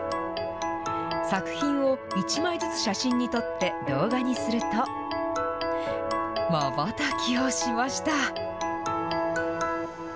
作品を１枚ずつ写真に撮って、動画にすると、まばたきをしました。